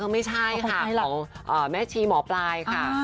ไม่ใช่ค่ะของแม่ชีหมอปลายค่ะ